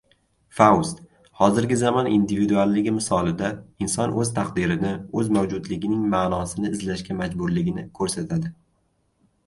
Faust, hozirgi zamon individualligi misolida, inson oʻz taqdirini, oʻz mavjudligining maʼnosini izlashga majburligini koʻrsatadi.